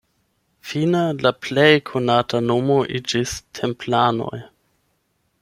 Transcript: Fine, la plej konata nomo iĝis "templanoj".